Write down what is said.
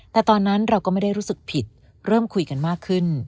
แต่ตอนนั้นเราก็ไม่ได้รู้สึกผิดเริ่มคุยกันมากขึ้น